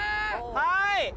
はい！